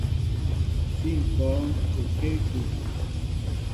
Si ŋkɔɔŋ okěkúw.